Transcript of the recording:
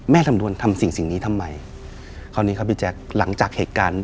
สำนวนทำสิ่งสิ่งนี้ทำไมคราวนี้ครับพี่แจ๊คหลังจากเหตุการณ์